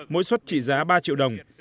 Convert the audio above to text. mỗi suất trị giá ba triệu đồng